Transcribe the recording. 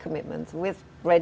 dengan alat yang sudah dibuat